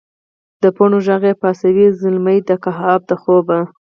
دپڼو ږغ یې پاڅوي زلمي د کهف دخوبه